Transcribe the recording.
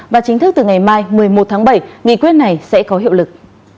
và chính thức từ ngày mai một mươi một tháng bảy nghị quyết này sẽ có hiệu lực